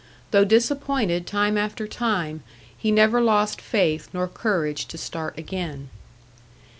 Though disappointed time after time, he never lost faith nor courage to start again.